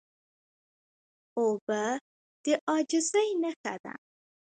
اوبه د عاجزۍ نښه ده.